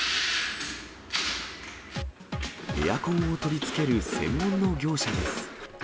エアコンを取り付ける専門の業者です。